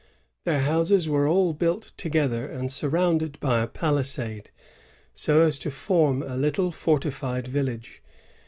Their honses were all built together, and surrounded by a j)alisad(s so as to fonn a little fortified village.